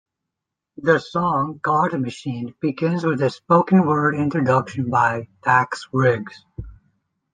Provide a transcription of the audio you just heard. The song "God Machine" begins with a spoken word introduction by Dax Riggs.